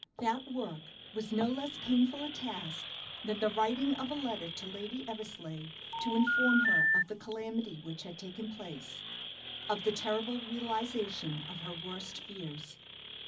That work was no less painful a task than the writing of a letter to Lady Eversleigh, to inform her of the calamity which had taken place of the terrible realization of her worst fears.